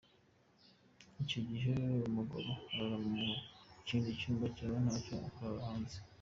Icyo gihe umugabo arara mu kindi cyumba cyaba ntacyo akarara hanze.